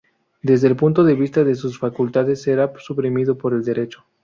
Desde el punto de vista de sus facultades será suprimido por el derecho.